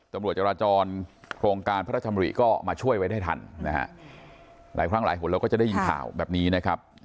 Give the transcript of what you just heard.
ตำรวจจราจรโครงการพระราชดำริก็มาช่วยไว้ได้ทันนะฮะหลายครั้งหลายคนเราก็จะได้ยินข่าวแบบนี้นะครับ